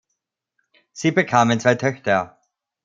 Sie bekamen zwei Töchter.